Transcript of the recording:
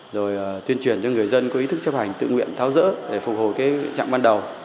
rồi tuyên truyền cho người dân có ý thức chấp hành tự nguyện tháo rỡ để phục hồi cái trạm ban đầu